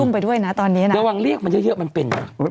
ระวังเรียกมันเยอะมันเป็นน่ะ